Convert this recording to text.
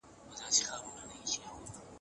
ستاسو په کارونو کي به برکت پیدا سي.